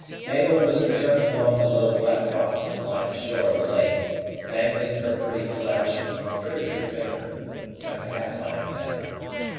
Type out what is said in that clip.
Mabel was returning along the low flat rocks that line the shore of the lake, dangling her pretty calash from a prettier finger, when Pathfinder met her.